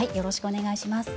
よろしくお願いします。